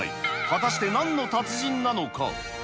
果たして、なんの達人なのか。